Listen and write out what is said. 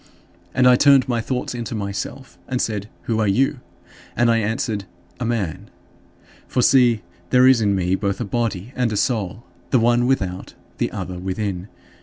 And I turned my thoughts into myself and said, "Who are you?" And I answered, "A man." For see, there is in me both a body and a soul; the one without, the other within.